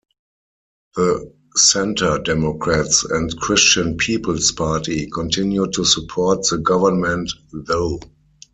The Centre Democrats and Christian People's Party continued to support the government though.